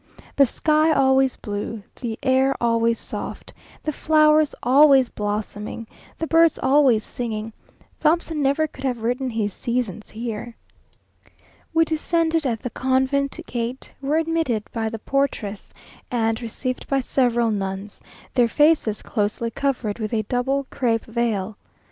The sky always blue, the air always soft, the flowers always blossoming, the birds always singing; Thomson never could have written his "Seasons" here. We descended at the convent gate, were admitted by the portress, and received by several nuns, their faces closely covered with a double crape veil.